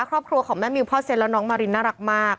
ครอบครัวของแม่มิวพ่อเซ็นแล้วน้องมารินน่ารักมาก